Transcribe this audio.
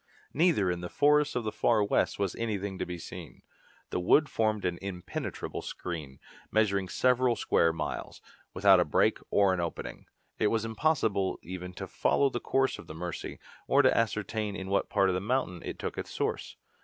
Neither in the forests of the Far West was anything to be seen. The wood formed an impenetrable screen, measuring several square miles, without a break or an opening. It was impossible even to follow the course of the Mercy, or to ascertain in what part of the mountain it took its source.